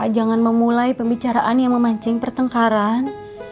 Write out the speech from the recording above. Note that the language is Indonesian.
jangan memulai pembicaraan yang memancing pertengkaran